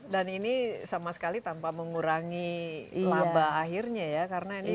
dan ini sama sekali tanpa mengurangi laba akhirnya ya karena ini